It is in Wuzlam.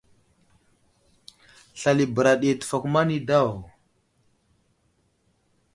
Slal i bəra ɗi təfakuma nay daw.